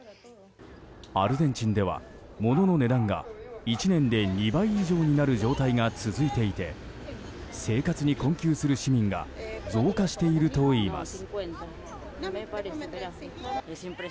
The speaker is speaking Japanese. アルゼンチンでは物の値段が１年で２倍以上になる状態が続いていて生活に困窮する市民が増加しているといいます。